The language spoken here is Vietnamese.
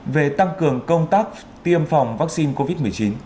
về tăng cường công tác tiêm phòng vaccine covid một mươi chín